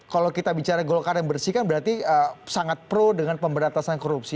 kalau kita bicara golkar yang bersih kan berarti sangat pro dengan pemberantasan korupsi